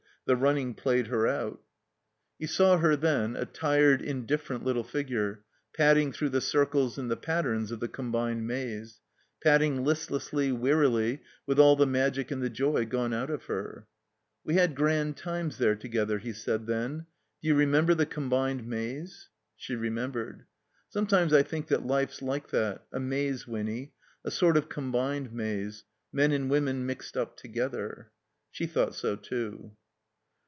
The running played, her out. 226 THE COMBINED MAZE He saw her, then, a tired, indifferent little figure, padding through the circles and the patterns of the Combined Maze; padding listlessly, wearily, with all the magic and the joy gone out of her. ''We had grand times there together," he said then. ''Do you remember the Combined Maze?" She remembered. "Sometimes I think that life's like that — a maze, Winny. A sort of Combined Maze — men and women — mixed up together." She thought so too.